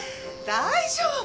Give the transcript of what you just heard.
大丈夫！